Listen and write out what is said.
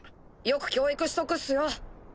よく教育しとくっすよ。